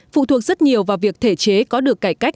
phụ thuộc rất nhiều vào việc thể chế có được cải cách